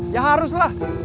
ya harus lah